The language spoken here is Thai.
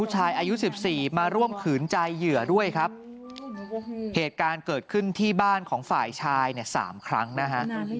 เหตุการณ์เกิดขึ้นที่บ้านของฝ่ายชาย๓ครั้งนะฮะ